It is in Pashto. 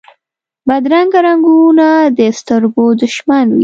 بدرنګه رنګونه د سترګو دشمن وي